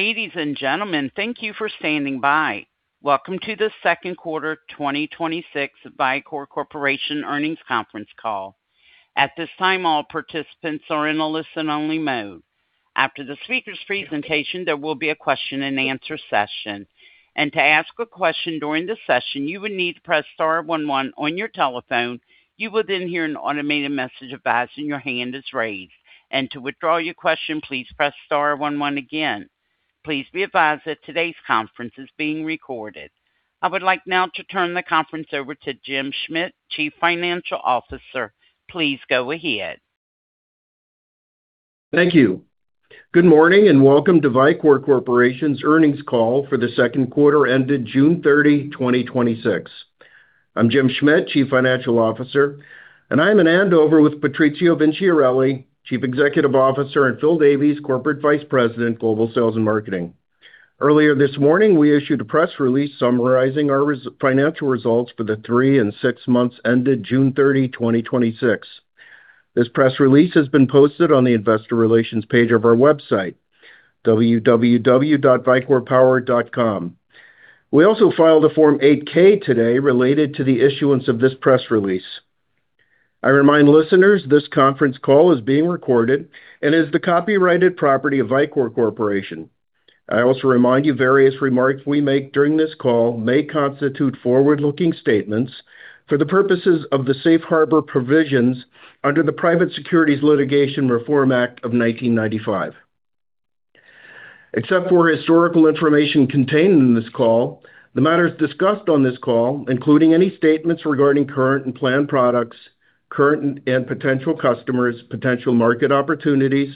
Ladies and gentlemen, thank you for standing by. Welcome to the second quarter 2026 Vicor Corporation earnings conference call. At this time, all participants are in a listen-only mode. After the speaker's presentation, there will be a question and answer session. To ask a question during the session, you will need to press star one one on your telephone. You will then hear an automated message advising your hand is raised. To withdraw your question, please press star one one again. Please be advised that today's conference is being recorded. I would like now to turn the conference over to Jim Schmidt, Chief Financial Officer. Please go ahead. Thank you. Good morning and welcome to Vicor Corporation's earnings call for the second quarter ended June 30, 2026. I'm Jim Schmidt, Chief Financial Officer, and I'm in Andover with Patrizio Vinciarelli, Chief Executive Officer, and Phil Davies, Corporate Vice President, Global Sales and Marketing. Earlier this morning, we issued a press release summarizing our financial results for the three and six months ended June 30, 2026. This press release has been posted on the investor relations page of our website, www.vicorpower.com. We also filed a Form 8-K today related to the issuance of this press release. I remind listeners this conference call is being recorded and is the copyrighted property of Vicor Corporation. I also remind you various remarks we make during this call may constitute forward-looking statements for the purposes of the safe harbor provisions under the Private Securities Litigation Reform Act of 1995. Except for historical information contained in this call, the matters discussed on this call, including any statements regarding current and planned products, current and potential customers, potential market opportunities,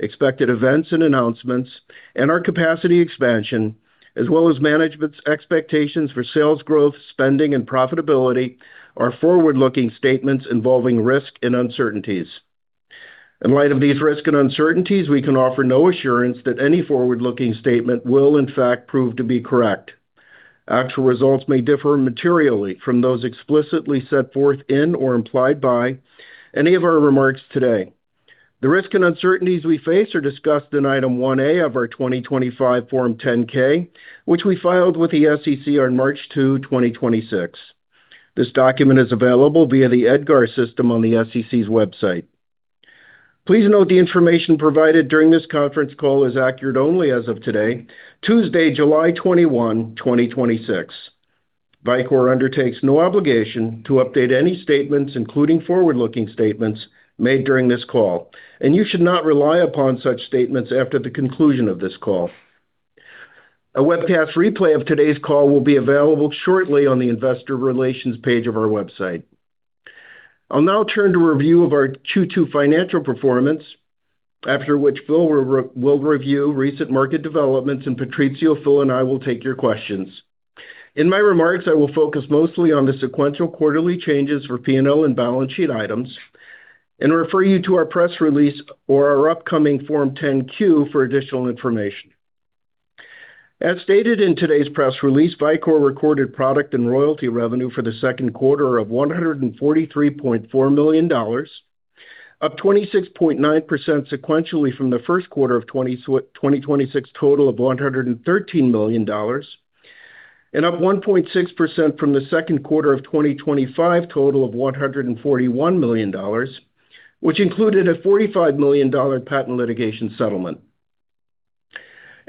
expected events and announcements, and our capacity expansion, as well as management's expectations for sales growth, spending, and profitability, are forward-looking statements involving risk and uncertainties. In light of these risks and uncertainties, we can offer no assurance that any forward-looking statement will in fact prove to be correct. Actual results may differ materially from those explicitly set forth in or implied by any of our remarks today. The risks and uncertainties we face are discussed in Item 1A of our 2025 Form 10-K, which we filed with the SEC on March 2, 2026. This document is available via the EDGAR system on the SEC's website. Please note the information provided during this conference call is accurate only as of today, Tuesday, July 21, 2026. Vicor undertakes no obligation to update any statements, including forward-looking statements made during this call. You should not rely upon such statements after the conclusion of this call. A webcast replay of today's call will be available shortly on the investor relations page of our website. I'll now turn to review of our Q2 financial performance, after which Phil will review recent market developments, and Patrizio, Phil, and I will take your questions. In my remarks, I will focus mostly on the sequential quarterly changes for P&L and balance sheet items and refer you to our press release or our upcoming Form 10-Q for additional information. As stated in today's press release, Vicor recorded product and royalty revenue for the second quarter of $143.4 million, up 26.9% sequentially from the first quarter of 2026 total of $113 million, and up 1.6% from the second quarter of 2025 total of $141 million, which included a $45 million patent litigation settlement.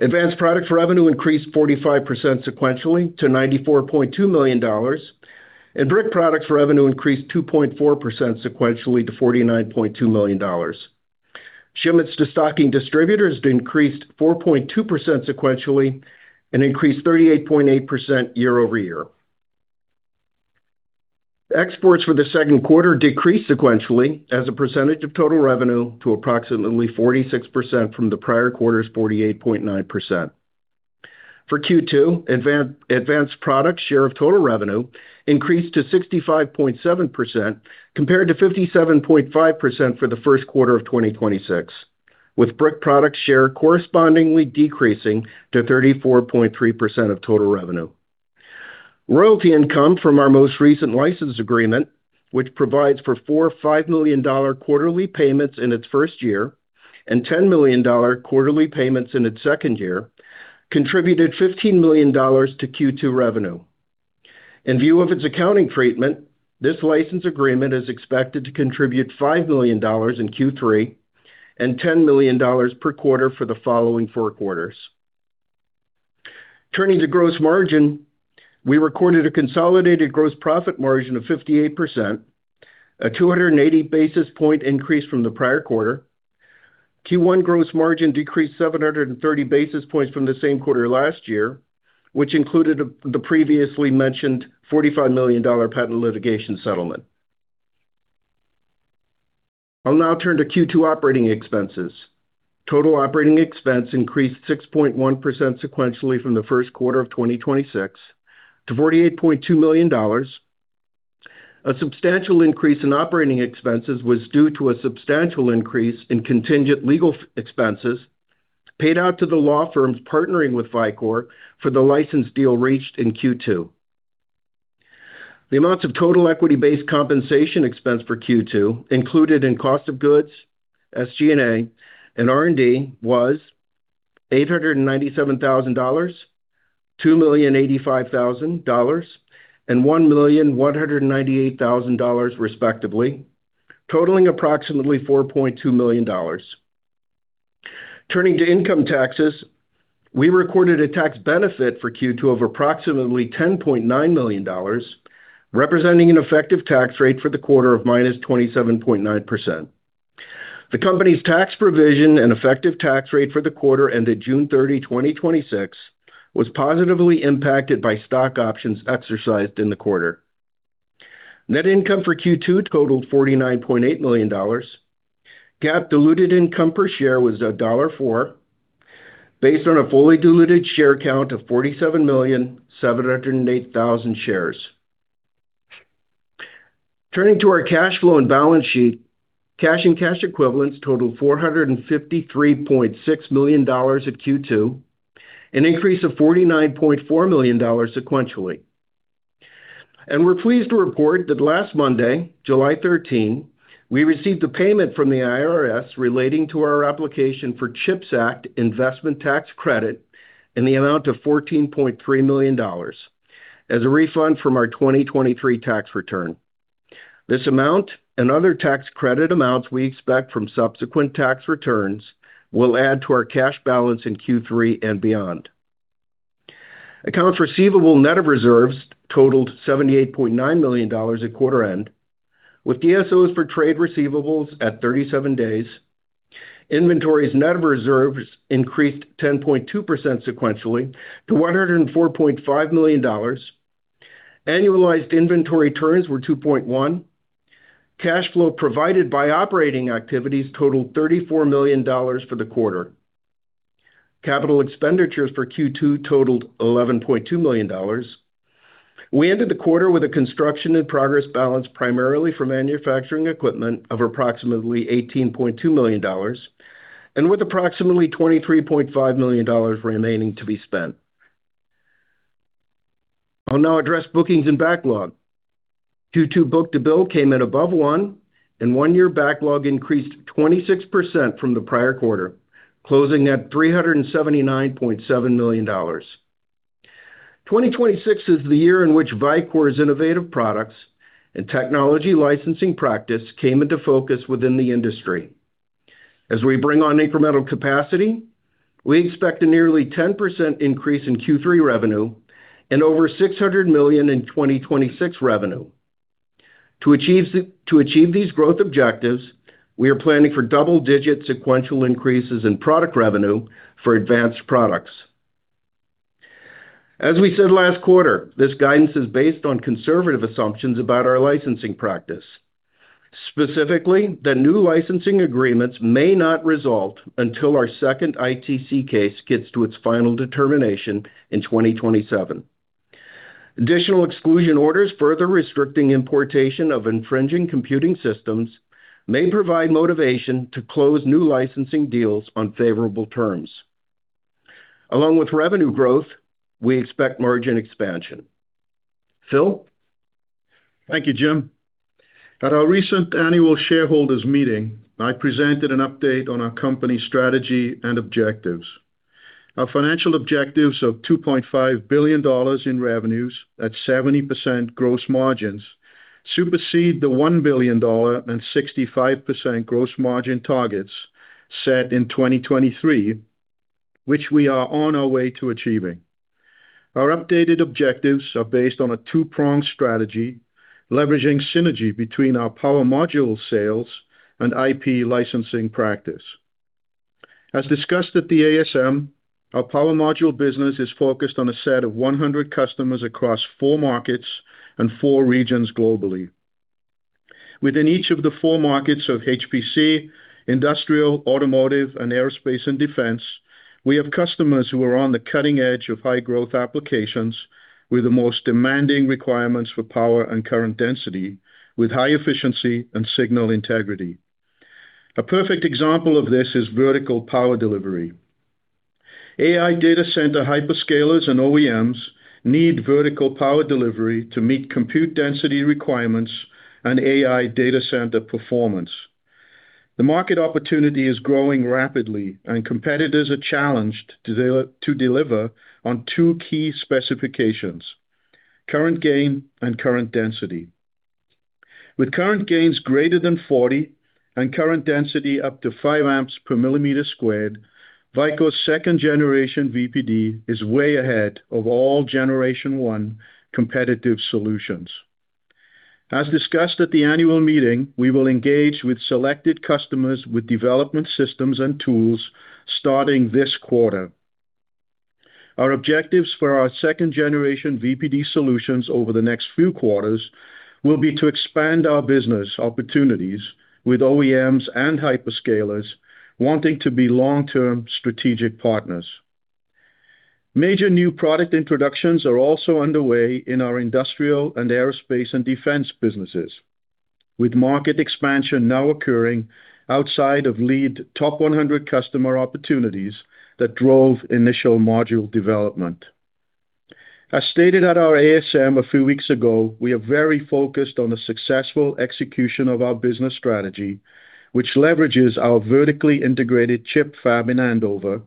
Advanced products revenue increased 45% sequentially to $94.2 million, and brick products revenue increased 2.4% sequentially to $49.2 million. Shipments to stocking distributors increased 4.2% sequentially and increased 38.8% year-over-year. Exports for the second quarter decreased sequentially as a percentage of total revenue to approximately 46% from the prior quarter's 48.9%. For Q2, advanced products share of total revenue increased to 65.7%, compared to 57.5% for the first quarter of 2026, with brick product share correspondingly decreasing to 34.3% of total revenue. Royalty income from our most recent license agreement, which provides for $4, $5 million quarterly payments in its first year and $10 million quarterly payments in its second year, contributed $15 million to Q2 revenue. In view of its accounting treatment, this license agreement is expected to contribute $5 million in Q3 and $10 million per quarter for the following four quarters. Turning to gross margin, we recorded a consolidated gross profit margin of 58%, a 280 basis point increase from the prior quarter. Q1 gross margin decreased 730 basis points from the same quarter last year, which included the previously mentioned $45 million patent litigation settlement. I'll now turn to Q2 operating expenses. Total operating expense increased 6.1% sequentially from the first quarter of 2026 to $48.2 million. A substantial increase in operating expenses was due to a substantial increase in contingent legal expenses paid out to the law firms partnering with Vicor for the license deal reached in Q2. The amounts of total equity-based compensation expense for Q2 included in cost of goods, SG&A, and R&D was $897,000, $2,085,000, and $1,198,000 respectively, totaling approximately $4.2 million. Turning to income taxes, we recorded a tax benefit for Q2 of approximately $10.9 million, representing an effective tax rate for the quarter of -27.9%. The company's tax provision and effective tax rate for the quarter ended June 30, 2026, was positively impacted by stock options exercised in the quarter. Net income for Q2 totaled $49.8 million. GAAP diluted income per share was $1.4 based on a fully diluted share count of 47,708,000 shares. Turning to our cash flow and balance sheet, cash and cash equivalents totaled $453.6 million at Q2, an increase of $49.4 million sequentially. We're pleased to report that last Monday, July 13, we received a payment from the IRS relating to our application for CHIPS Act investment tax credit in the amount of $14.3 million as a refund from our 2023 tax return. This amount and other tax credit amounts we expect from subsequent tax returns will add to our cash balance in Q3 and beyond. Accounts receivable net of reserves totaled $78.9 million at quarter end, with DSOs for trade receivables at 37 days. Inventories net of reserves increased 10.2% sequentially to $104.5 million. Annualized inventory turns were 2.1. Cash flow provided by operating activities totaled $34 million for the quarter. Capital expenditures for Q2 totaled $11.2 million. We ended the quarter with a construction in progress balance primarily for manufacturing equipment of approximately $18.2 million, and with approximately $23.5 million remaining to be spent. I'll now address bookings and backlog. Q2 book-to-bill came in above one, and one-year backlog increased 26% from the prior quarter, closing at $379.7 million. 2026 is the year in which Vicor's innovative products and technology licensing practice came into focus within the industry. As we bring on incremental capacity, we expect a nearly 10% increase in Q3 revenue and over $600 million in 2026 revenue. To achieve these growth objectives, we are planning for double-digit sequential increases in product revenue for advanced products. As we said last quarter, this guidance is based on conservative assumptions about our licensing practice. Specifically, the new licensing agreements may not result until our second ITC case gets to its final determination in 2027. Additional exclusion orders further restricting importation of infringing computing systems may provide motivation to close new licensing deals on favorable terms. Along with revenue growth, we expect margin expansion. Phil? Thank you, Jim. At our recent annual shareholders meeting, I presented an update on our company's strategy and objectives. Our financial objectives of $2.5 billion in revenues at 70% gross margins supersede the $1 billion and 65% gross margin targets set in 2023, which we are on our way to achieving. Our updated objectives are based on a two-pronged strategy, leveraging synergy between our power module sales and IP licensing practice. As discussed at the ASM, our power module business is focused on a set of 100 customers across four markets and four regions globally. Within each of the four markets of HPC, industrial, automotive, and aerospace and defense, we have customers who are on the cutting edge of high-growth applications with the most demanding requirements for power and current density with high efficiency and signal integrity. A perfect example of this is Vertical Power Delivery. AI data center hyperscalers and OEMs need Vertical Power Delivery to meet compute density requirements and AI data center performance. The market opportunity is growing rapidly, and competitors are challenged to deliver on two key specifications, current gain and current density. With current gains greater than 40 and current density up to 5 A per millimeter squared, Vicor's 2nd Generation VPD is way ahead of all Generation one competitive solutions. As discussed at the annual meeting, we will engage with selected customers with development systems and tools starting this quarter. Our objectives for our 2nd Generation VPD solutions over the next few quarters will be to expand our business opportunities with OEMs and hyperscalers wanting to be long-term strategic partners. Major new product introductions are also underway in our industrial and aerospace and defense businesses. With market expansion now occurring outside of lead top 100 customer opportunities that drove initial module development. As stated at our ASM a few weeks ago, we are very focused on the successful execution of our business strategy, which leverages our vertically integrated chip fab in Andover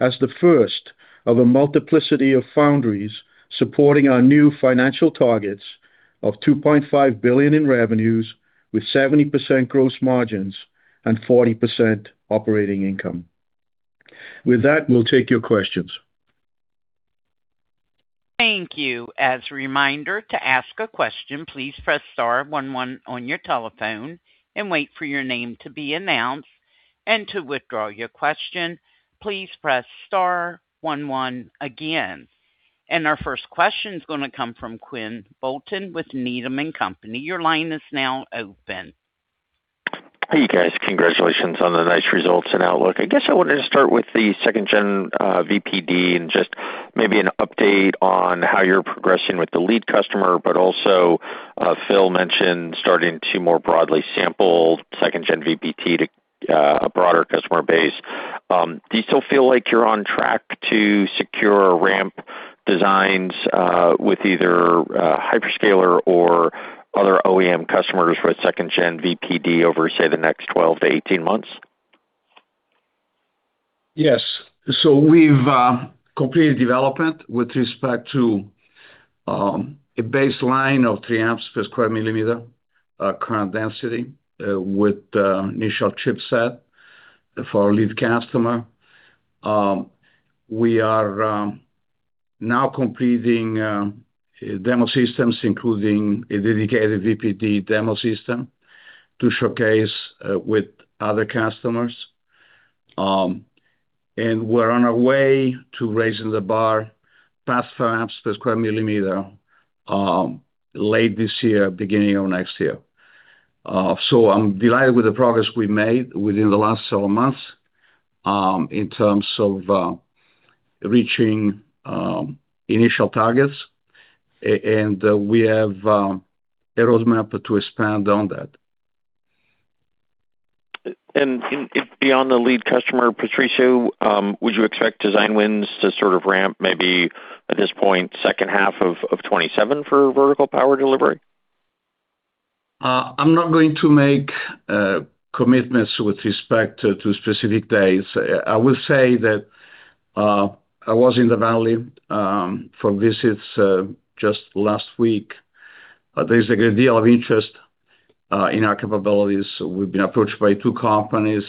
as the first of a multiplicity of foundries supporting our new financial targets of $2.5 billion in revenues with 70% gross margins and 40% operating income. With that, we'll take your questions. Thank you. As a reminder, to ask a question, please press star one one on your telephone and wait for your name to be announced. To withdraw your question, please press star one one again. Our first question is going to come from Quinn Bolton with Needham & Company. Your line is now open. Hey, guys. Congratulations on the nice results and outlook. I guess I wanted to start with the second gen VPD and just maybe an update on how you're progressing with the lead customer, but also, Phil mentioned starting to more broadly sample second gen VPD to a broader customer base. Do you still feel like you're on track to secure ramp designs, with either a hyperscaler or other OEM customers for a second gen VPD over, say, the next 12 to 18 months? Yes. We've completed development with respect to a baseline of 3 A per square millimeter current density with initial chipset for our lead customer. We are now completing demo systems, including a dedicated VPD demo system to showcase with other customers. We're on our way to raising the bar past amps per square millimeter late this year, beginning of next year. I'm delighted with the progress we made within the last several months, in terms of reaching initial targets. We have a roadmap to expand on that. Beyond the lead customer, Patrizio, would you expect design wins to sort of ramp maybe at this point, second half of 2027 for Vertical Power Delivery? I'm not going to make commitments with respect to specific days. I will say that, I was in the Valley, for visits just last week. There's a great deal of interest in our capabilities. We've been approached by two companies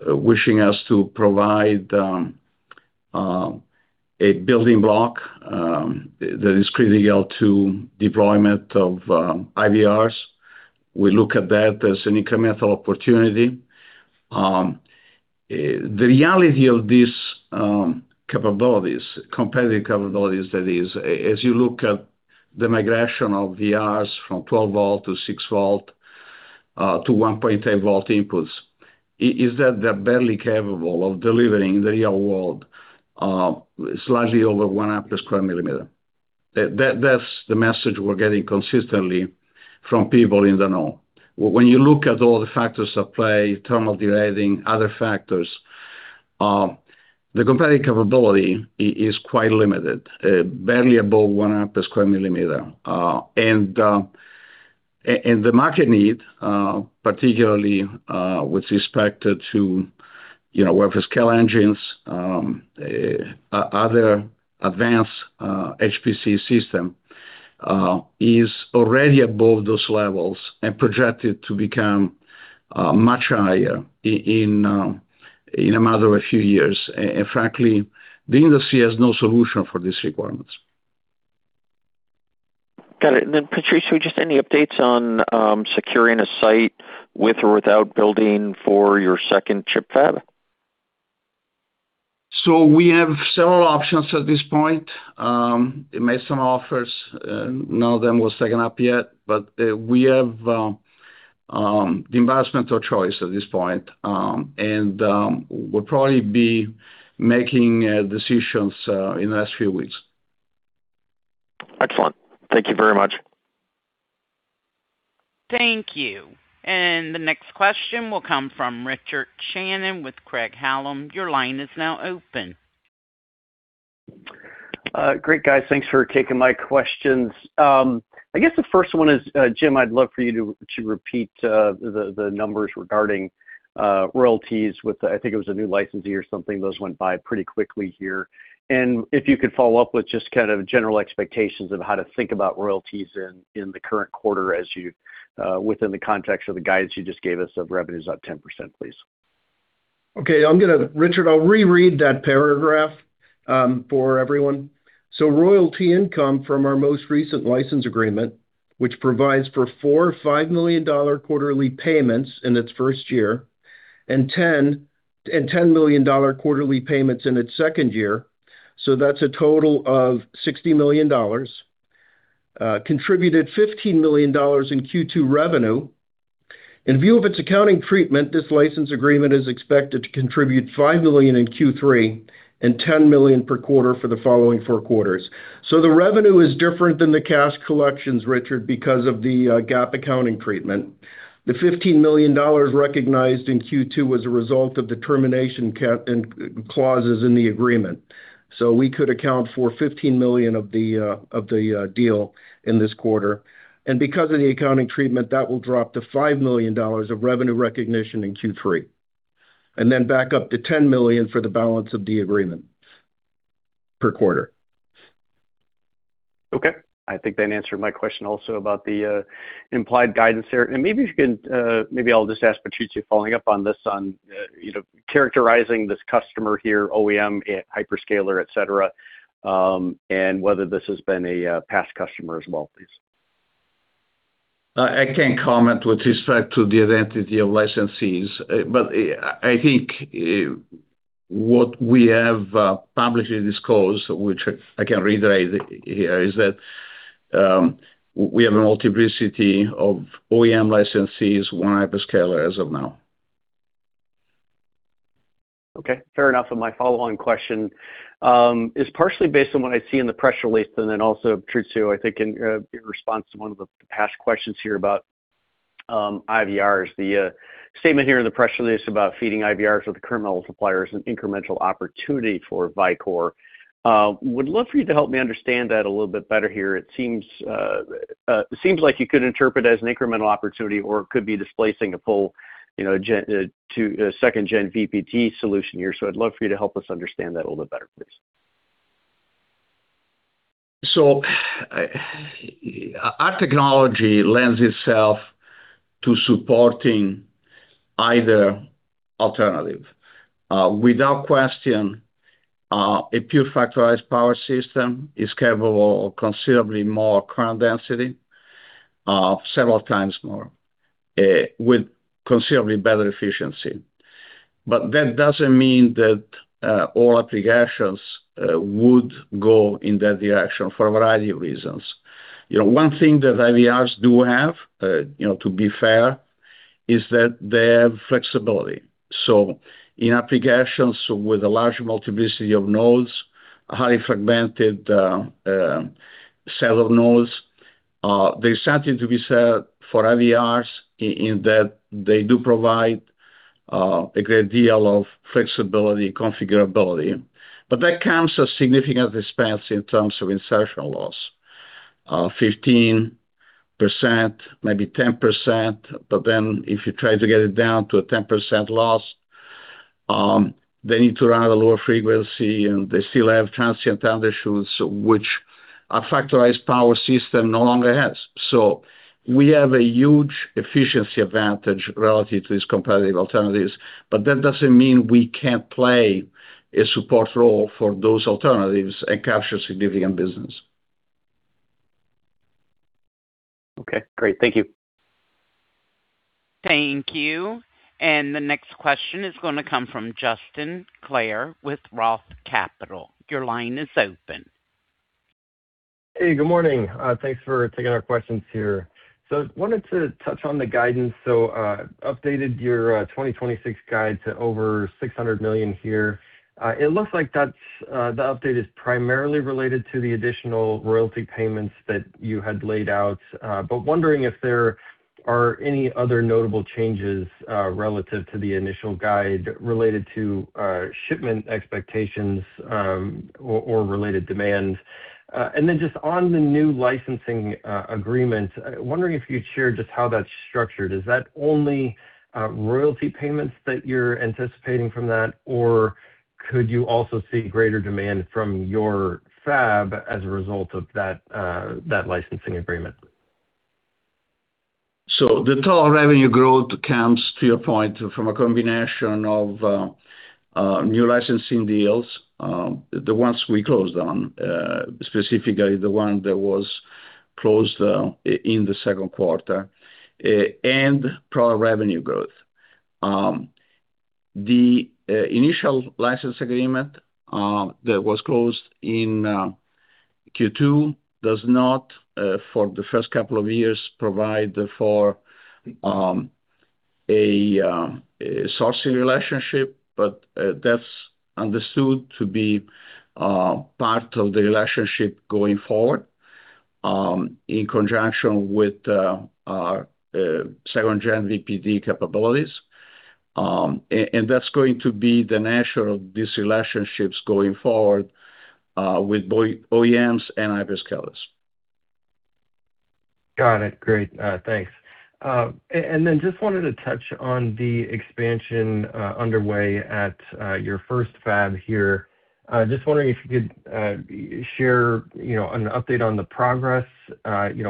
wishing us to provide a building block that is critical to deployment of IVRs. We look at that as an incremental opportunity. The reality of these capabilities, competitive capabilities that is, as you look at the migration of VRs from 12 V to 6 V, to 1.8 V inputs, is that they're barely capable of delivering the real world slightly over 1 A per square millimeter. That's the message we're getting consistently from people in the know. When you look at all the factors at play, thermal derating, other factors, the competitive capability is quite limited, barely above 1 A per square millimeter. The market need, particularly with respect to wafer-scale engines, other advanced HPC system, is already above those levels and projected to become much higher in a matter of a few years. Frankly, the industry has no solution for these requirements. Got it. Patrizio, just any updates on securing a site with or without building for your second chip fab? We have several options at this point. We made some offers. None of them was taken up yet, but we have the investment of choice at this point. We'll probably be making decisions in the next few weeks. Excellent. Thank you very much. Thank you. The next question will come from Richard Shannon with Craig-Hallum. Your line is now open. Great, guys. Thanks for taking my questions. I guess the first one is, Jim, I'd love for you to repeat the numbers regarding royalties with, I think it was a new licensee or something. Those went by pretty quickly here. If you could follow up with just kind of general expectations of how to think about royalties in the current quarter as you within the context of the guidance you just gave us of revenues up 10%, please. Okay. Richard, I'll reread that paragraph for everyone. Royalty income from our most recent license agreement, which provides for $4, $5 million quarterly payments in its first year and $10 million quarterly payments in its second year, that's a total of $60 million, contributed $15 million in Q2 revenue. In view of its accounting treatment, this license agreement is expected to contribute $5 million in Q3 and $10 million per quarter for the following four quarters. The revenue is different than the cash collections, Richard, because of the GAAP accounting treatment. The $15 million recognized in Q2 was a result of the termination clauses in the agreement. We could account for $15 million of the deal in this quarter. Because of the accounting treatment, that will drop to $5 million of revenue recognition in Q3, and then back up to $10 million for the balance of the agreement per quarter. Okay. I think that answered my question also about the implied guidance there. Maybe I'll just ask Patrizio following up on this on, characterizing this customer here, OEM, hyperscaler, et cetera, and whether this has been a past customer as well, please. I can't comment with respect to the identity of licensees. I think what we have publicly disclosed, which I can reiterate here, is that we have a multiplicity of OEM licensees, one hyperscaler as of now. Okay, fair enough. My follow-on question is partially based on what I see in the press release, and then also Patrizio, I think in your response to one of the past questions here about IVRs. The statement here in the press release about feeding IVRs with current multipliers an incremental opportunity for Vicor. Would love for you to help me understand that a little bit better here. It seems like you could interpret as an incremental opportunity or could be displacing a pull to a 2nd Gen VPD solution here. I'd love for you to help us understand that a little better, please. Our technology lends itself to supporting either alternative. Without question, a pure Factorized Power system is capable of considerably more current density, several times more, with considerably better efficiency. That doesn't mean that all applications would go in that direction for a variety of reasons. One thing that IVRs do have, to be fair, is that they have flexibility. In applications with a large multiplicity of nodes, highly fragmented set of nodes, there's something to be said for IVRs in that they do provide a great deal of flexibility and configurability. That comes at significant expense in terms of insertion loss. 15%, maybe 10%, but then if you try to get it down to a 10% loss, they need to run at a lower frequency, and they still have transient issues, which a Factorized Power system no longer has. We have a huge efficiency advantage relative to these competitive alternatives, but that doesn't mean we can't play a support role for those alternatives and capture significant business. Okay, great. Thank you. Thank you. The next question is going to come from Justin Clare with ROTH Capital. Your line is open. Hey, good morning. Thanks for taking our questions here. Wanted to touch on the guidance. Updated your 2026 guide to over $600 million here. It looks like the update is primarily related to the additional royalty payments that you had laid out. Wondering if there are any other notable changes relative to the initial guide related to shipment expectations, or related demands. Just on the new licensing agreement, wondering if you could share just how that's structured. Is that only royalty payments that you're anticipating from that, or could you also see greater demand from your fab as a result of that licensing agreement? The total revenue growth comes, to your point, from a combination of new licensing deals, the ones we closed on, specifically the one that was closed in the second quarter, and product revenue growth. The initial license agreement that was closed in Q2 does not, for the first couple of years, provide for a sourcing relationship. That's understood to be part of the relationship going forward, in conjunction with our 2nd Gen VPD capabilities. That's going to be the nature of these relationships going forward, with OEMs and hyperscalers. Got it. Great. Thanks. Just wanted to touch on the expansion underway at your first fab here. Just wondering if you could share an update on the progress,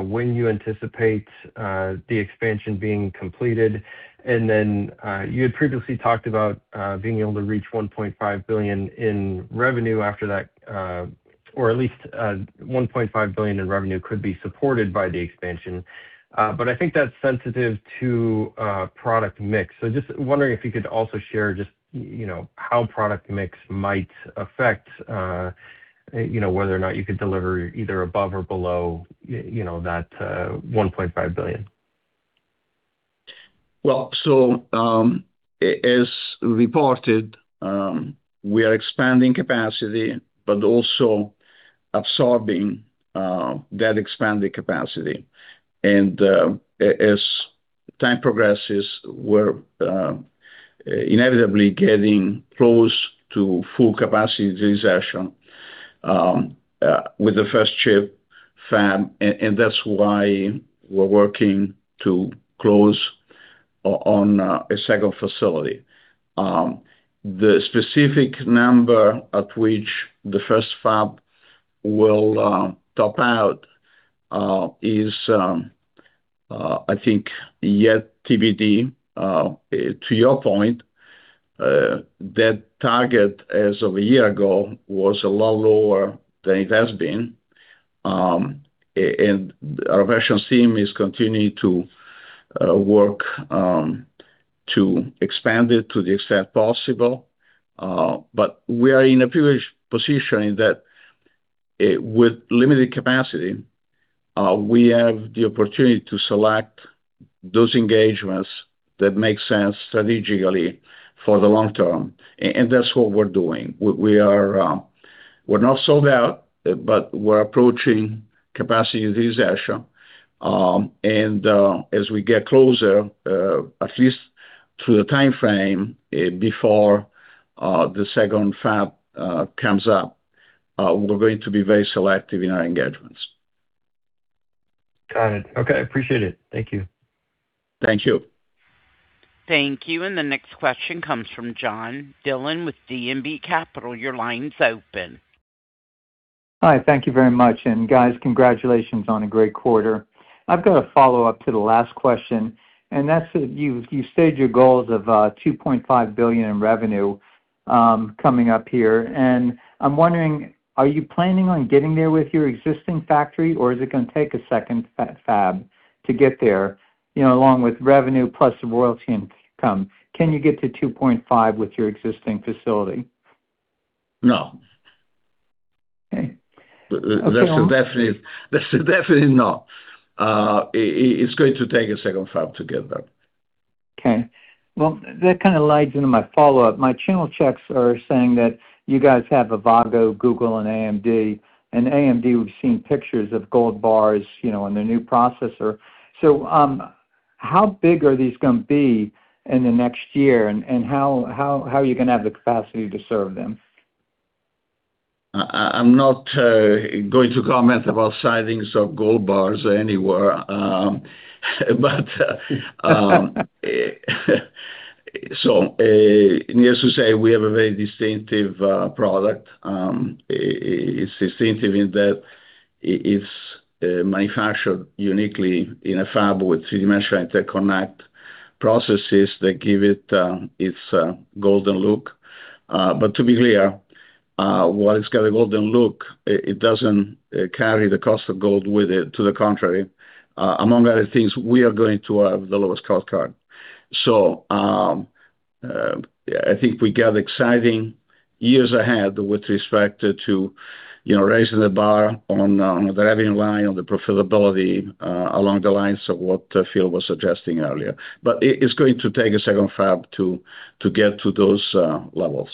when you anticipate the expansion being completed, and then you had previously talked about being able to reach $1.5 billion in revenue after that, or at least $1.5 billion in revenue could be supported by the expansion. I think that's sensitive to product mix. Just wondering if you could also share just how product mix might affect whether or not you could deliver either above or below that $1.5 billion. As reported, we are expanding capacity but also absorbing that expanded capacity. As time progresses, we're inevitably getting close to full capacity utilization with the first chip fab, and that's why we're working to close on a second facility. The specific number at which the first fab will top out is, I think, yet TBD. To your point, that target as of a year ago was a lot lower than it has been. Our operations team is continuing to work to expand it to the extent possible. We are in a privileged position that with limited capacity, we have the opportunity to select those engagements that make sense strategically for the long term, and that's what we're doing. We're not sold out, but we're approaching capacity utilization. As we get closer, at least to the timeframe before the second fab comes up, we're going to be very selective in our engagements. Got it. Okay, appreciate it. Thank you. Thank you. Thank you. The next question comes from [John Dillon] with DMB Capital. Your line's open. Hi, thank you very much. Guys, congratulations on a great quarter. I've got a follow-up to the last question, and that's you've stayed your goals of $2.5 billion in revenue coming up here. I'm wondering, are you planning on getting there with your existing factory, or is it going to take a second fab to get there, along with revenue plus the royalty income? Can you get to $2.5 billion with your existing facility? No. Okay. That's a definitely no. It's going to take a second fab to get that. Okay. Well, that kind of leads into my follow-up. My channel checks are saying that you guys have Avago, Google, and AMD. AMD, we've seen pictures of gold bars in their new processor. How big are these going to be in the next year, and how are you going to have the capacity to serve them? I'm not going to comment about sightings of gold bars anywhere. Needless to say, we have a very distinctive product. It's distinctive in that it's manufactured uniquely in a fab with three-dimensional interconnect processes that give it its golden look. To be clear, while it's got a golden look, it doesn't carry the cost of gold with it. To the contrary, among other things, we are going to have the lowest cost card. I think we got exciting years ahead with respect to raising the bar on the revenue line, on the profitability, along the lines of what Phil was suggesting earlier. It is going to take a second fab to get to those levels.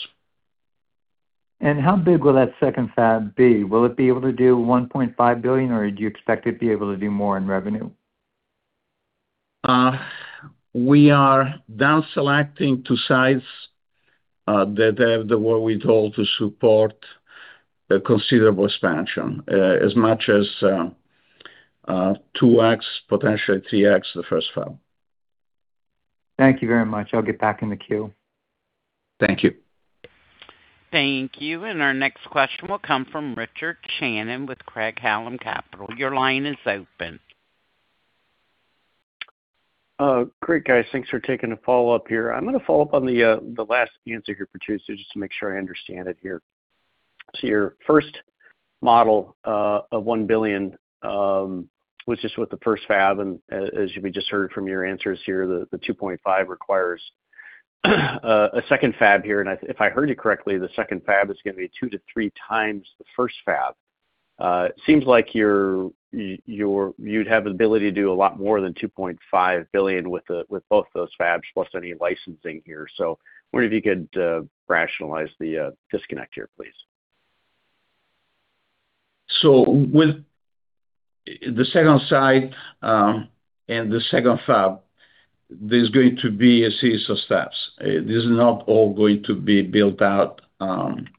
How big will that second fab be? Will it be able to do $1.5 billion, or do you expect it to be able to do more in revenue? We are down selecting two sites that have what we told to support a considerable expansion. As much as 2x, potentially 3x the first fab. Thank you very much. I'll get back in the queue. Thank you. Thank you. Our next question will come from Richard Shannon with Craig-Hallum Capital. Your line is open. Great, guys. Thanks for taking the follow-up here. I am going to follow up on the last answer here for two, just to make sure I understand it here. Your first model of $1 billion was just with the first fab, as we just heard from your answers here, the $2.5 billion requires a second fab here. If I heard you correctly, the second fab is going to be 2x-3x the first fab. Seems like you would have the ability to do a lot more than $2.5 billion with both those fabs, plus any licensing here. Wonder if you could rationalize the disconnect here, please. With the second site and the second fab, there is going to be a series of steps. This is not all going to be built out on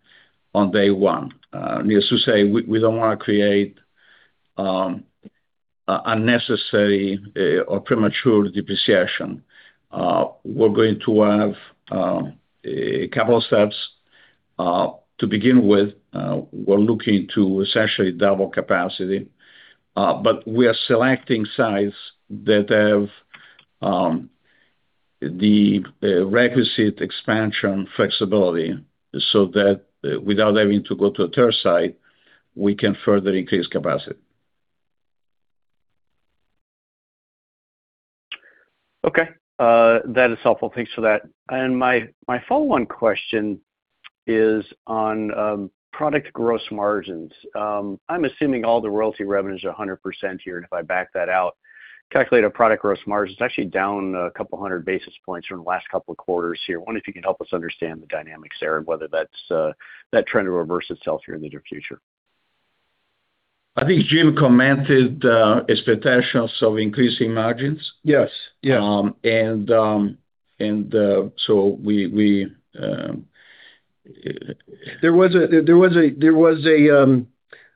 day one. Needless to say, we do not want to create unnecessary or premature depreciation. We are going to have a couple of steps to begin with. We are looking to essentially double capacity, but we are selecting sites that have the requisite expansion flexibility so that without having to go to a third site, we can further increase capacity. Okay. That is helpful. Thanks for that. My follow-on question is on product gross margins. I am assuming all the royalty revenue is 100% here, and if I back that out, calculate a product gross margin, it is actually down a couple of 100 basis points from the last couple of quarters here. I wonder if you could help us understand the dynamics there and whether that trend will reverse itself here in the near future. I think Jim commented the potentials of increasing margins. Yes. We.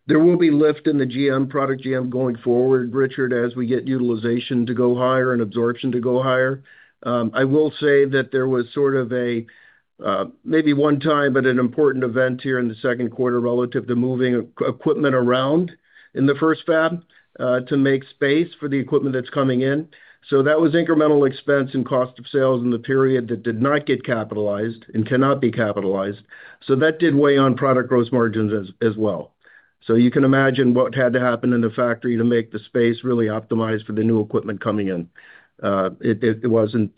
There will be lift in the GM, product GM going forward, Richard, as we get utilization to go higher and absorption to go higher. I will say that there was sort of a, maybe one-time, but an important event here in the second quarter relative to moving equipment around in the first fab, to make space for the equipment that is coming in. That was incremental expense and cost of sales in the period that did not get capitalized and cannot be capitalized. That did weigh on product gross margins as well. You can imagine what had to happen in the factory to make the space really optimized for the new equipment coming in. It was not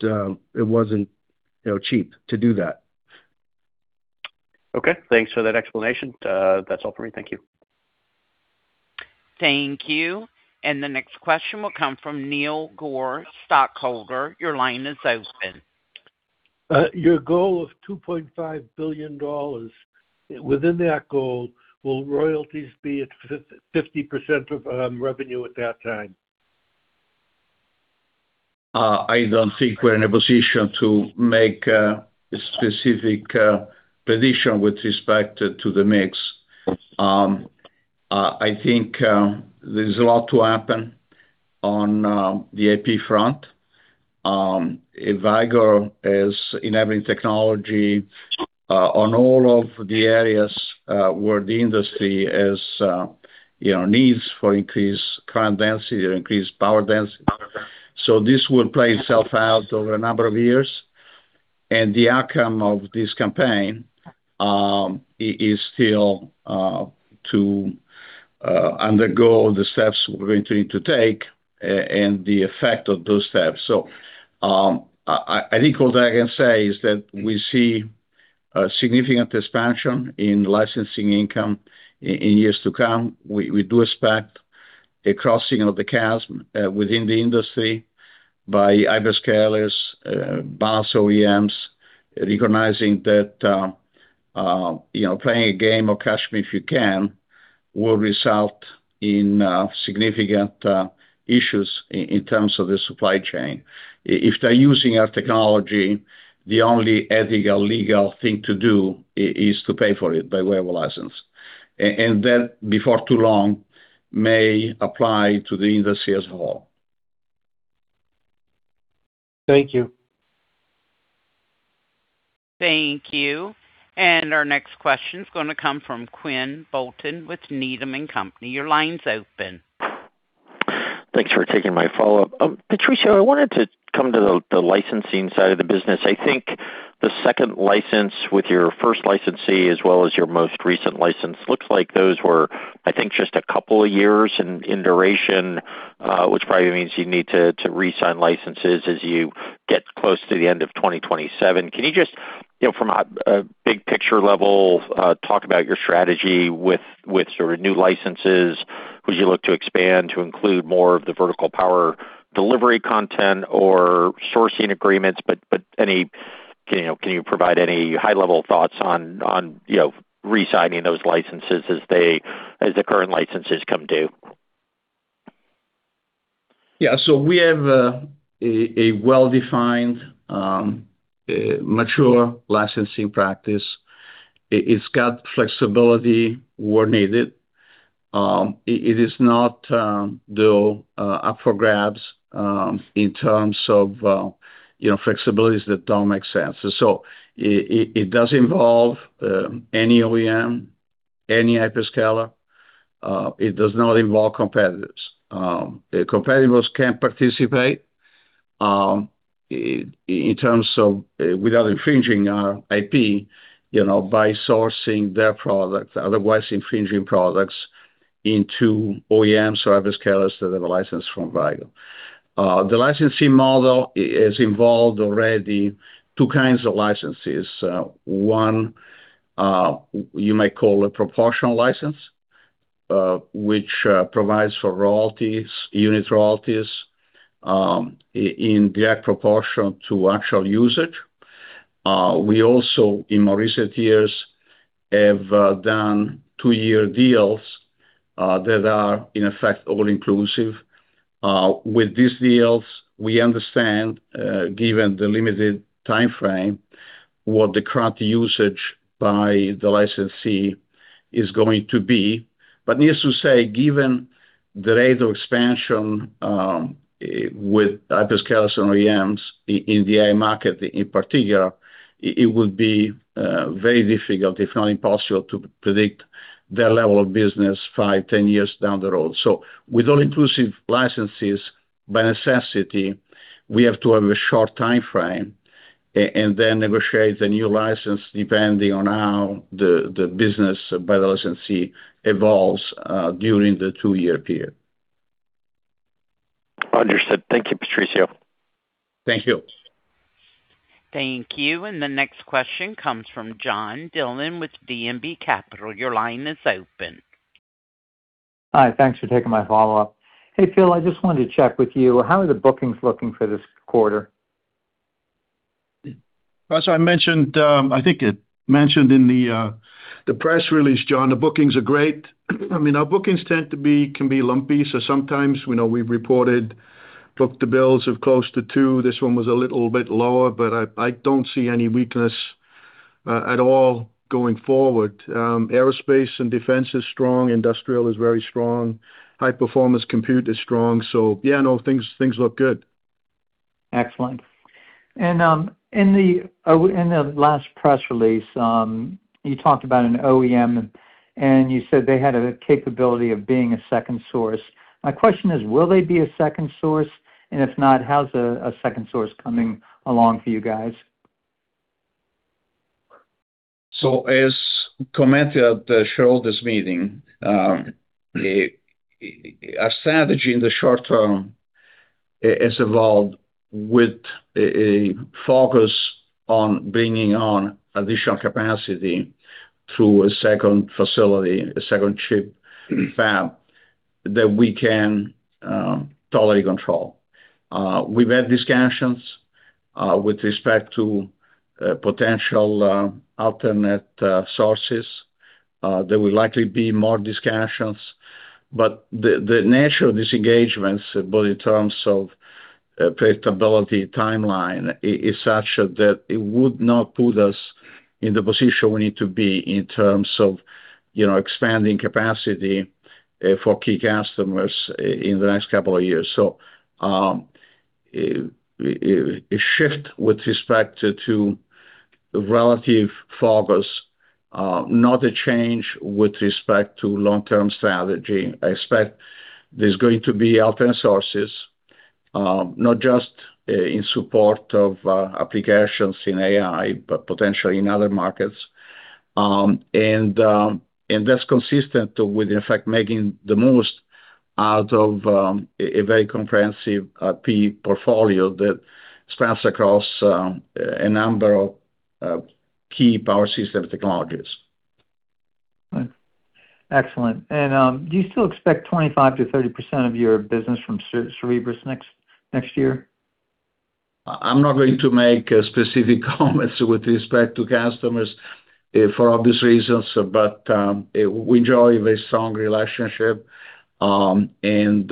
cheap to do that. Okay, thanks for that explanation. That's all for me. Thank you. Thank you. The next question will come from Neil Gore, stockholder. Your line is open. Your goal of $2.5 billion, within that goal, will royalties be at 50% of revenue at that time? I don't think we're in a position to make a specific prediction with respect to the mix. I think there's a lot to happen on the AP front. Vicor is enabling technology on all of the areas where the industry needs for increased current density or increased power density. This will play itself out over a number of years, and the outcome of this campaign is still to undergo the steps we're going to need to take and the effect of those steps. I think all that I can say is that we see a significant expansion in licensing income in years to come. We do expect a crossing of the chasm within the industry by hyperscalers, balanced OEMs, recognizing that playing a game of catch me if you can will result in significant issues in terms of the supply chain. If they're using our technology, the only ethical, legal thing to do is to pay for it by way of a license. That, before too long, may apply to the industry as a whole. Thank you. Thank you. Our next question is going to come from Quinn Bolton with Needham & Company. Your line's open. Thanks for taking my follow-up. Patrizio, I wanted to come to the licensing side of the business. I think the second license with your first licensee as well as your most recent license looks like those were, I think, just a couple of years in duration, which probably means you need to re-sign licenses as you get close to the end of 2027. Can you just, from a big picture level, talk about your strategy with sort of new licenses? Would you look to expand to include more of the Vertical Power Delivery content or sourcing agreements, but can you provide any high-level thoughts on re-signing those licenses as the current licenses come due? Yeah. We have a well-defined, mature licensing practice. It has got flexibility where needed. It is not, though, up for grabs, in terms of flexibilities that don't make sense. It does involve any OEM, any hyperscaler. It does not involve competitors. The competitors can participate, in terms of without infringing our IP, by sourcing their products, otherwise infringing products into OEMs or hyperscalers that have a license from Vicor. The licensing model has involved already two kinds of licenses. One, you might call a proportional license, which provides for royalties, unit royalties, in direct proportion to actual usage. We also, in more recent years, have done two-year deals that are, in effect, all-inclusive. With these deals, we understand, given the limited timeframe, what the current usage by the licensee is going to be. Needless to say, given the rate of expansion with hyperscalers and OEMs in the AI market in particular, it would be very difficult, if not impossible, to predict their level of business 5-10 years down the road. With all-inclusive licenses, by necessity, we have to have a short timeframe and then negotiate the new license depending on how the business by the licensee evolves during the two-year period. Understood. Thank you, Patrizio. Thank you. Thank you. The next question comes from [John Dillon] with DMB Capital. Your line is open. Hi. Thanks for taking my follow-up. Hey, Phil, I just wanted to check with you. How are the bookings looking for this quarter? As I mentioned, I think it mentioned in the press release, [John], the bookings are great. Our bookings tend to be lumpy. Sometimes, we know we've reported book-to-bills of close to 2x. This one was a little bit lower, I don't see any weakness at all going forward. Aerospace & Defense is strong. Industrial is very strong. High Performance Compute is strong. Yeah, no, things look good. Excellent. In the last press release, you talked about an OEM, you said they had a capability of being a second source. My question is, will they be a second source? If not, how's a second source coming along for you guys? As commented at the shareholders meeting, our strategy in the short term has evolved with a focus on bringing on additional capacity through a second facility, a second chip fab, that we can totally control. We've had discussions with respect to potential alternate sources. There will likely be more discussions, but the nature of these engagements, both in terms of predictability, timeline, is such that it would not put us in the position we need to be in terms of expanding capacity for key customers in the next couple of years. A shift with respect to relative focus, not a change with respect to long-term strategy. I expect there's going to be alternate sources, not just in support of applications in AI, but potentially in other markets. That's consistent with, in fact, making the most out of a very comprehensive IP portfolio that spans across a number of key power system technologies. Excellent. Do you still expect 25%-30% of your business from Cerebras next year? I'm not going to make specific comments with respect to customers for obvious reasons. We enjoy a very strong relationship, and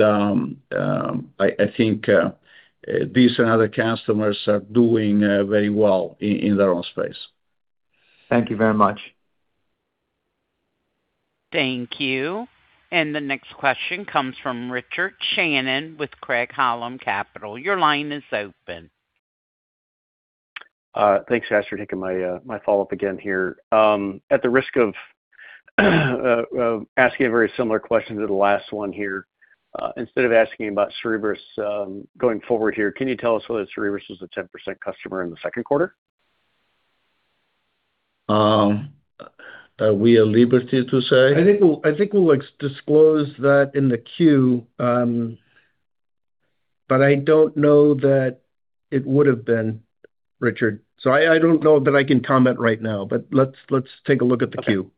I think these and other customers are doing very well in their own space. Thank you very much. Thank you. The next question comes from Richard Shannon with Craig-Hallum Capital. Your line is open. Thanks, Ashley, taking my follow-up again here. At the risk of asking a very similar question to the last one here, instead of asking about Cerebras going forward here, can you tell us whether Cerebras is a 10% customer in the second quarter? Are we at liberty to say? I think we'll disclose that in the Q, I don't know that it would have been, Richard. I don't know that I can comment right now, let's take a look at the Q.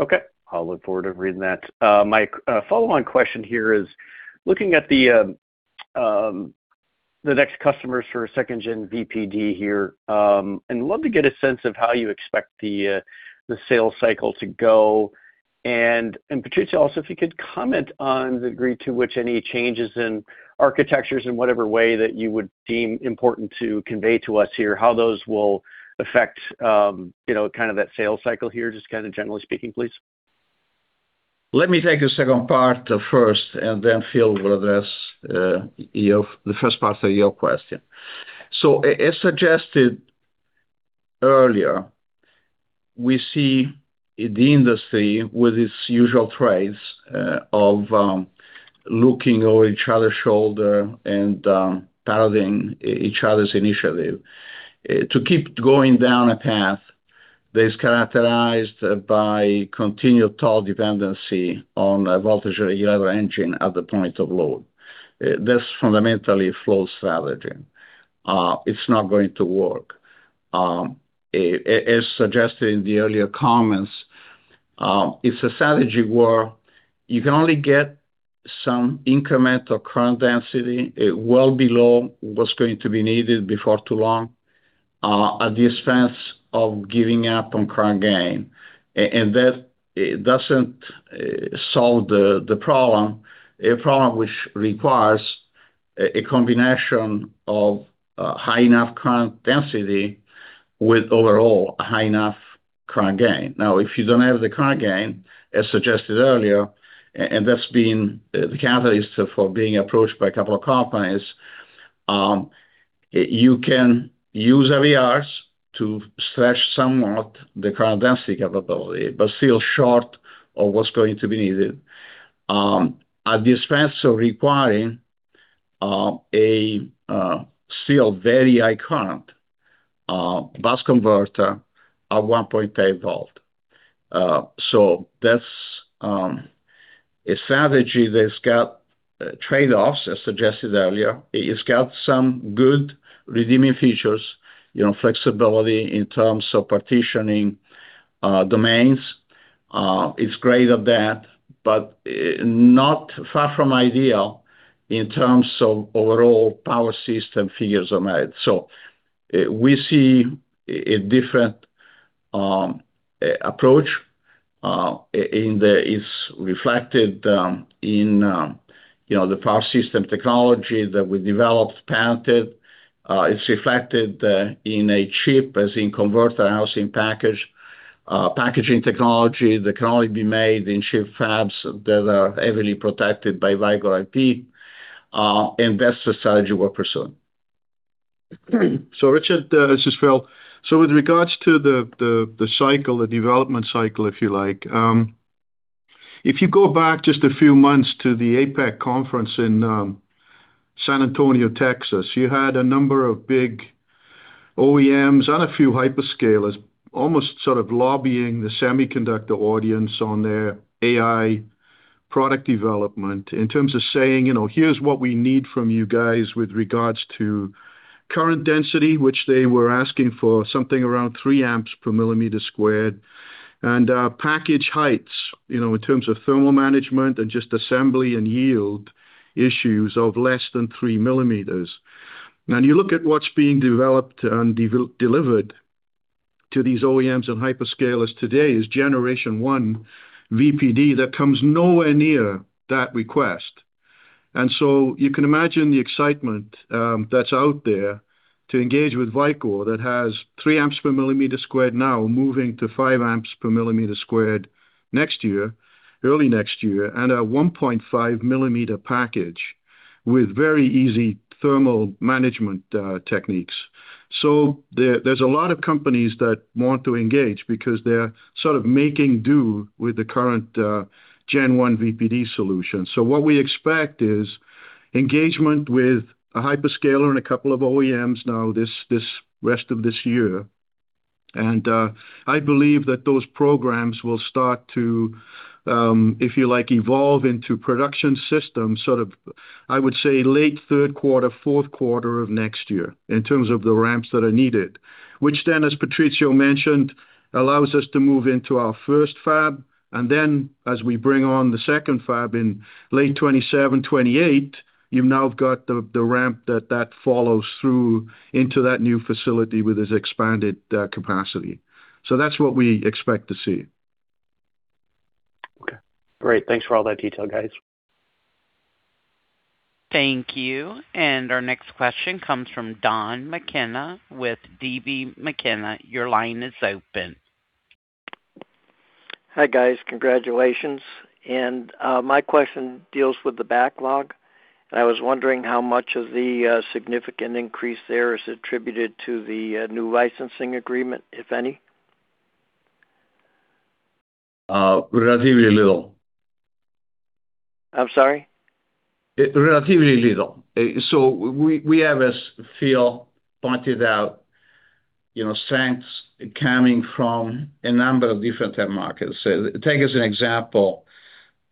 Okay. I'll look forward to reading that. My follow-on question here is looking at the next customers for 2nd Gen VPD here, and love to get a sense of how you expect the sales cycle to go. Patrizio also, if you could comment on the degree to which any changes in architectures in whatever way that you would deem important to convey to us here, how those will affect that sales cycle here, just generally speaking, please. Let me take the second part first, then Phil will address the first part of your question. As suggested earlier, we see the industry with its usual traits of looking over each other's shoulder and paralleling each other's initiative. To keep going down a path that is characterized by continued tall dependency on a voltage or a engine at the point of load. That's fundamentally a flawed strategy. It's not going to work. As suggested in the earlier comments, it's a strategy where you can only get some incremental current density well below what's going to be needed before too long, at the expense of giving up on current gain. That doesn't solve the problem, a problem which requires a combination of high enough current density with overall high enough current gain. Now, if you don't have the current gain, as suggested earlier, that's been the catalyst for being approached by a couple of companies, you can use IVRs to stretch somewhat the current density capability, but still short of what's going to be needed, at the expense of requiring a still very high current bus converter at 1.8 V. That's a strategy that's got trade-offs, as suggested earlier. It's got some good redeeming features, flexibility in terms of partitioning domains. It's great at that, but not far from ideal in terms of overall power system figures of merit. We see a different approach, it's reflected in the power system technology that we developed, patented. It's reflected in a ChiP, as in Converter Housed in Package, packaging technology that can only be made in chip fabs that are heavily protected by Vicor IP. That's the strategy we're pursuing. Richard, this is Phil. With regards to the cycle, the development cycle, if you like. If you go back just a few months to the APEC conference in San Antonio, Texas, you had a number of big OEMs and a few hyperscalers almost sort of lobbying the semiconductor audience on their AI product development in terms of saying, "Here's what we need from you guys with regards to current density," which they were asking for something around 3 A per millimeter squared, and package heights, in terms of thermal management and just assembly and yield issues of less than 3 mm. Now you look at what's being developed and delivered to these OEMs and hyperscalers today is Generation 1 VPD that comes nowhere near that request. You can imagine the excitement that's out there to engage with Vicor that has three amps per millimeter squared now moving to 5 A per millimeter squared next year, early next year, and a 1.5 mm package with very easy thermal management techniques. There's a lot of companies that want to engage because they're sort of making do with the current Gen 1 VPD solution. What we expect is engagement with a hyperscaler and a couple of OEMs now the rest of this year. I believe that those programs will start to, if you like, evolve into production systems sort of, I would say, late third quarter, fourth quarter of next year in terms of the ramps that are needed. Which then, as Patrizio mentioned, allows us to move into our first fab, and then as we bring on the second fab in late 2027, 2028, you've now got the ramp that follows through into that new facility with its expanded capacity. That's what we expect to see. Okay, great. Thanks for all that detail, guys. Thank you. Our next question comes from Don McKenna with DB McKenna. Your line is open. Hi, guys. Congratulations. My question deals with the backlog, and I was wondering how much of the significant increase there is attributed to the new licensing agreement, if any. Relatively little. I'm sorry? Relatively little. We have, as Phil pointed out, strengths coming from a number of different end markets. Take as an example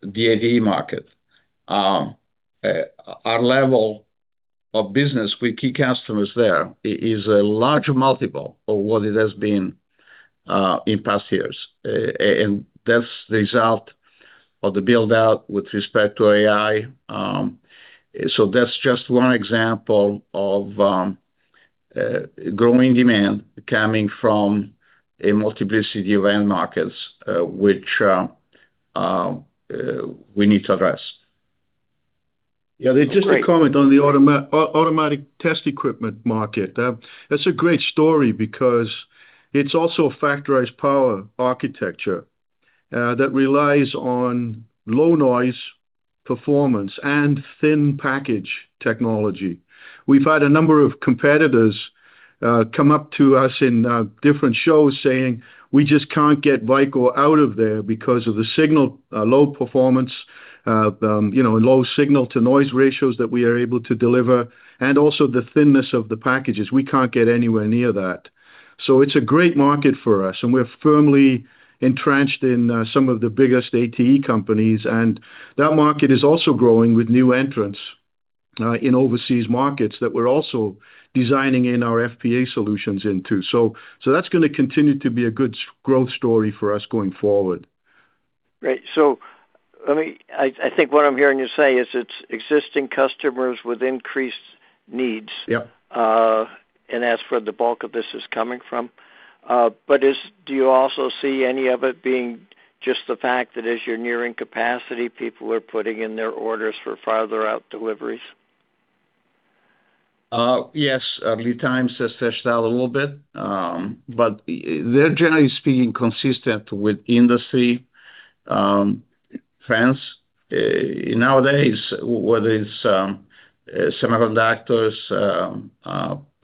the A&D market. Our level of business with key customers there is a larger multiple of what it has been in past years, and that's the result of the build-out with respect to AI. That's just one example of growing demand coming from a multiplicity of end markets, which we need to address. Just a comment on the automatic test equipment market. That's a great story because it's also a Factorized Power Architecture that relies on low noise performance and thin package technology. We've had a number of competitors come up to us in different shows saying, "We just can't get Vicor out of there because of the low performance, low signal-to-noise ratios that we are able to deliver and also the thinness of the packages. We can't get anywhere near that." It's a great market for us, and we're firmly entrenched in some of the biggest ATE companies, and that market is also growing with new entrants in overseas markets that we're also designing in our FPA solutions into. That's going to continue to be a good growth story for us going forward. Great. I think what I'm hearing you say is it's existing customers with increased needs- Yep. As for where the bulk of this is coming from. Do you also see any of it being just the fact that as you're nearing capacity, people are putting in their orders for farther out deliveries? Yes. Lead times have stretched out a little bit. They're, generally speaking, consistent with industry trends. Nowadays, whether it's semiconductors,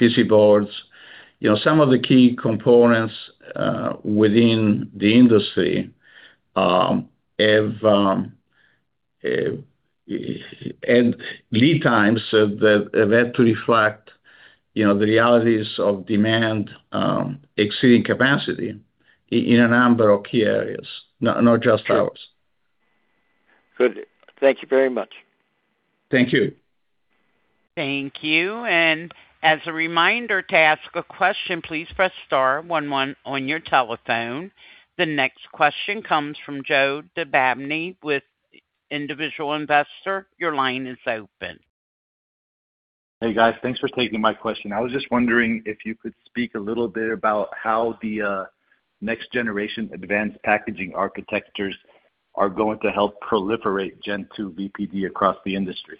PC boards, some of the key components within the industry have lead times that reflect the realities of demand exceeding capacity in a number of key areas, not just ours. Good. Thank you very much. Thank you. Thank you. As a reminder, to ask a question, please press star one one on your telephone. The next question comes from [Joe DeBabny] with Individual Investor. Your line is open. Hey, guys. Thanks for taking my question. I was just wondering if you could speak a little bit about how the next generation advanced packaging architectures are going to help proliferate Gen 2 VPD across the industry.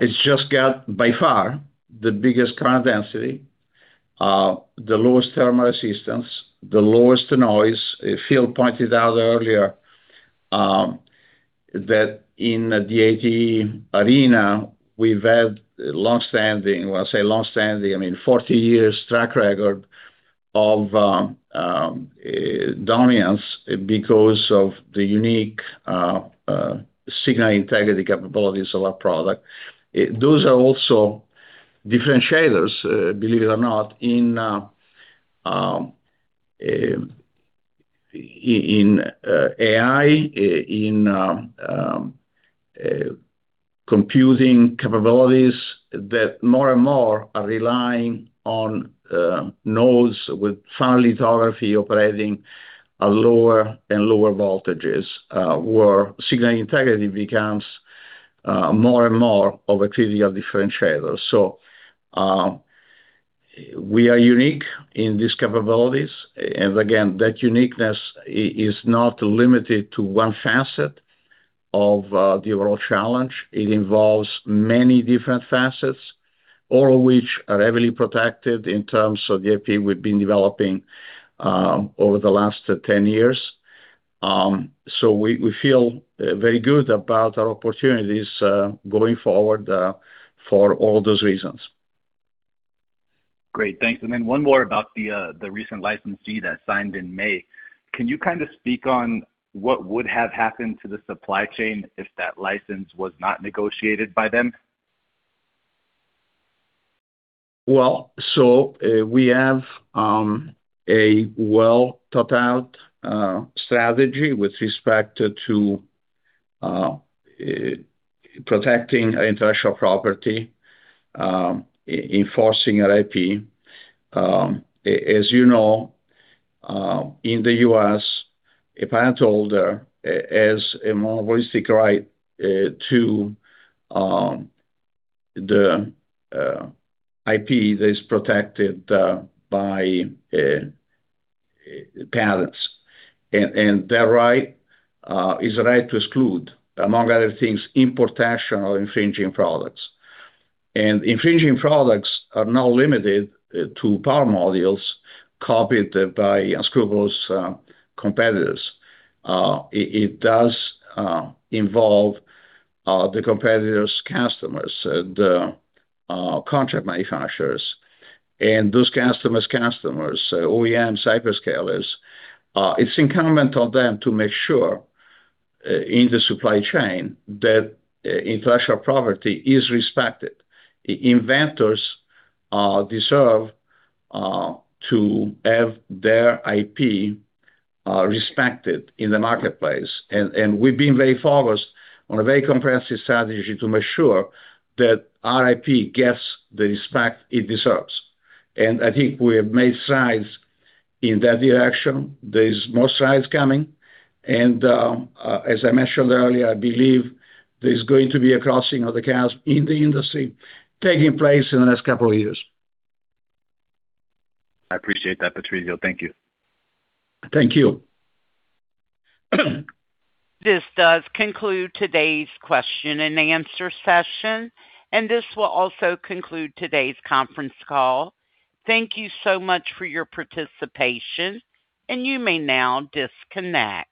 It's just got by far the biggest current density, the lowest thermal resistance, the lowest noise. Phil pointed out earlier that in the A&D arena, we've had longstanding, when I say longstanding, I mean 40 years track record of dominance because of the unique signal integrity capabilities of our product. Those are also differentiators, believe it or not, in AI, in computing capabilities that more and more are relying on nodes with FinFET lithography operating at lower and lower voltages, where signal integrity becomes more and more of a key differentiator. We are unique in these capabilities. Again, that uniqueness is not limited to one facet of the overall challenge. It involves many different facets, all of which are heavily protected in terms of the IP we've been developing over the last 10 years. We feel very good about our opportunities going forward for all those reasons. Great. Thanks. One more about the recent licensee that signed in May. Can you kind of speak on what would have happened to the supply chain if that license was not negotiated by them? We have a well thought out strategy with respect to protecting intellectual property, enforcing our IP. As you know, in the U.S., a pat holder has a monopolistic right to the IP that is protected by patents. That right is a right to exclude, among other things, importation of infringing products. Infringing products are now limited to power modules copied by unscrupulous competitors. It does involve the competitor's customers, the contract manufacturers, and those customers' customers, OEM hyperscalers. It's incumbent on them to make sure in the supply chain that intellectual property is respected. Inventors deserve to have their IP respected in the marketplace, and we've been very focused on a very comprehensive strategy to make sure that our IP gets the respect it deserves. I think we have made strides in that direction. There is more strides coming. As I mentioned earlier, I believe there's going to be a crossing of the chasm in the industry taking place in the next couple of years. I appreciate that, Patrizio. Thank you. Thank you. This does conclude today's question and answer session. This will also conclude today's conference call. Thank you so much for your participation, and you may now disconnect.